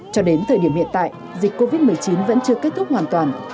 cho đến thời điểm hiện tại dịch covid một mươi chín vẫn chưa kết thúc hoàn toàn